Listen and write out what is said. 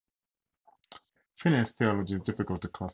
Finney's theology is difficult to classify.